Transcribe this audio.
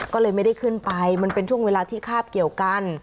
ก็เลยไม่ได้ขึ้นไปมันเป็นช่วงเวลาที่คาบเกี่ยวกัน